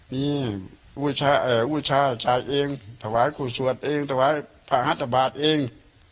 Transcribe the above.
มีอุชาอ่าอุชาชายเองถวายคุณสวดเองถวายพระฮัฏบาทเอง